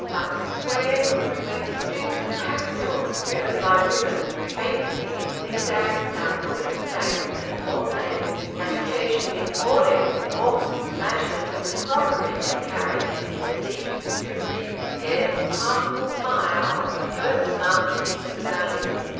Duck Square could remember strings of pack mules driven by women, `trapesing' in zigzags down Woodisun Bank and Warm Lane, and occasionally falling, with awful smashes of the crockery they carried, in the deep, slippery, scarce passable mire of the first slants into the valley.